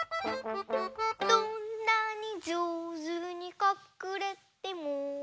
「どんなにじょうずにかくれても」